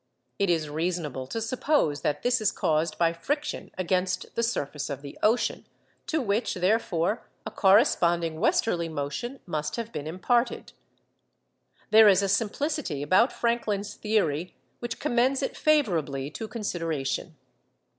It is reasonable to suppose that this is caused by friction against the surface of the ocean, to which, therefore, a corresponding westerly motion must have been imparted. There is a simplicity about Franklin's theory which commends it favourably to consideration.